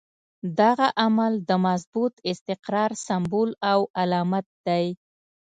دغه عمل د مضبوط استقرار سمبول او علامت دی.